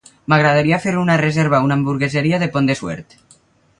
M'agradaria fer una reserva a una hamburgueseria de Pont de Suert.